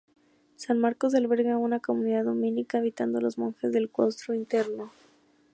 San Marcos alberga aún una comunidad dominica, habitando los monjes el claustro interno.